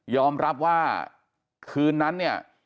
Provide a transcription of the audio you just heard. อมรับว่าคืนนั้นเนี่ย